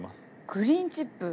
グリーンチップ！